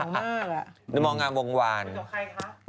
มันมองานวงวานแบบใครคะ